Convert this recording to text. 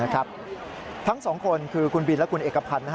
ทั้งสองคนคือคุณบินและคุณเอกพันธ์